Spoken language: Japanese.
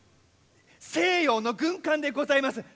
西洋の軍艦でございます！